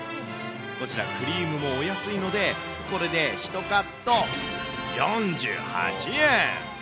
こちら、クリームもお安いので、これで１カット４８円。